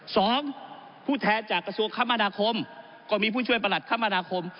สองผู้แทนจากกระทรวงคมนาคมก็มีผู้ช่วยประหลัดคมนาคม